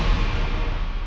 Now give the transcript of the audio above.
saya siap kapan aja